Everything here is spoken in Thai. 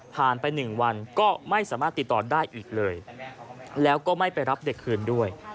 ไป๑วันก็ไม่สามารถติดต่อได้อีกเลยแล้วก็ไม่ไปรับเด็กคืนด้วย